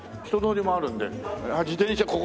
人通りもあるんで自転車